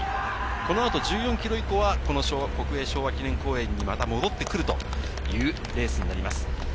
このあと１４ｋｍ以降は、国営昭和記念公園へまた戻ってくるというレースになります。